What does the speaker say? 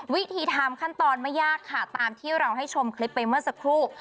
วิธีทำขั้นตอนไม่ยากค่ะตามที่เราให้ชมคลิปไปเมื่อสักครู่